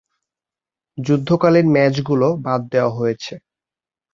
যুদ্ধকালীন ম্যাচগুলো বাদ দেয়া হয়েছে।